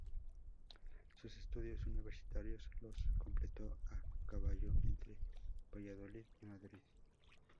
Sus estudios universitarios los completó a caballo entre Valladolid y Madrid.